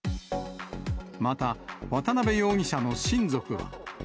また、渡辺容疑者の親族は。